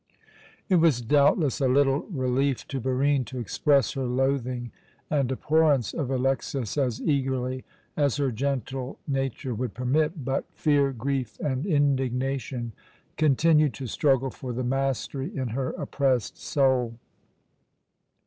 It was doubtless a little relief to Barine to express her loathing and abhorrence of Alexas as eagerly as her gentle nature would permit, but fear, grief, and indignation continued to struggle for the mastery in her oppressed soul.